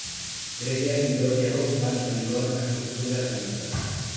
Greziar mitologiako Pan jainkoak asmatu zuela esan ohi da.